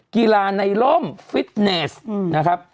กีฬาในร่มฟิตเนสนะครับ